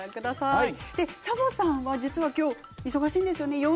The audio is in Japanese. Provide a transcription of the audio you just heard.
サボさんは実はきょう忙しいんですよね。